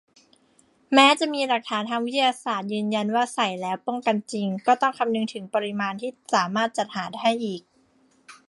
แม้จะมีหลักฐานทางวิทยาศาสตร์ยืนยันว่าใส่แล้วป้องกันจริง ก็ต้องคำนึงถึงปริมาณที่สามารถจัดหาให้อีก